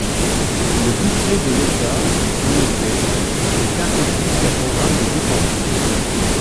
Le budget de l'État, en effet, est un peu plus qu'un programme de dépenses.